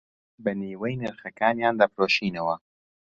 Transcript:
بە نیوەی نرخەکانیان دەفرۆشینەوە